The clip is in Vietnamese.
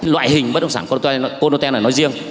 loại hình bất động sản cô nô tè nói riêng